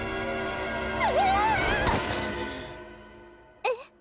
えっ？